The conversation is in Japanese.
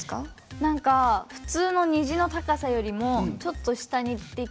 何か普通の虹の高さよりもちょっと下にでき。